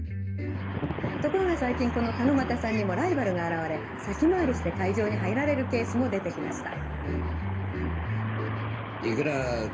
ところが最近この鹿股さんにもライバルが現れ先回りして会場に入られるケースも出てきました」。